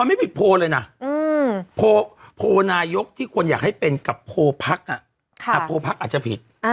มันไม่ผิดโพลเลยนะโพลนายกที่ควรอยากให้เป็นกับโพลพักโพลพักอาจจะผิด